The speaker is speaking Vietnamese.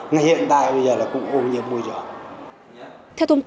khiến tình trạng khó khăn khó khăn khó khăn